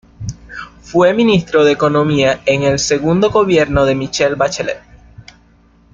Fue ministro de Economía en el segundo gobierno de Michelle Bachelet.